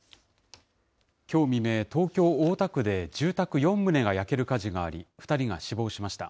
きょう未明、東京・大田区で住宅４棟が焼ける火事があり、２人が死亡しました。